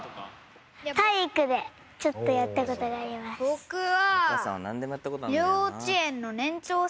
僕は。